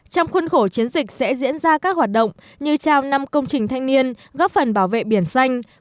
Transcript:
trong khuôn khổ chiến dịch sẽ diễn ra các hoạt động như trao năm công trình thanh niên góp phần bảo vệ biển xanh